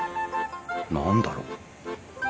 何だろう？